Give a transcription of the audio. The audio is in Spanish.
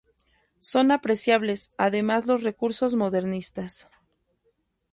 Son apreciables además los recursos modernistas.